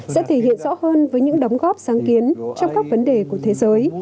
sẽ thể hiện rõ hơn với những đóng góp sáng kiến trong các vấn đề của thế giới